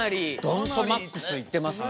ドンとマックスいってますね。